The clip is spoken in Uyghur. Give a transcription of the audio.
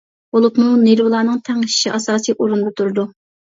بولۇپمۇ نېرۋىلارنىڭ تەڭشىشى ئاساسىي ئورۇندا تۇرىدۇ.